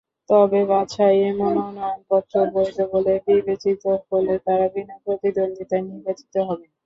তবে বাছাইয়ে মনোনয়নপত্র বৈধ বলে বিবেচিত হলে তাঁরা বিনা প্রতিদ্বন্দ্বিতায় নির্বাচিত হবেন।